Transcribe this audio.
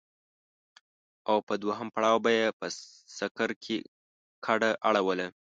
او په دوهم پړاو به يې په سکر کې کډه اړوله.